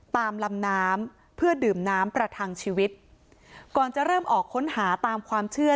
ตามลำน้ำเพื่อดื่มน้ำประทังชีวิตก่อนจะเริ่มออกค้นหาตามความเชื่อ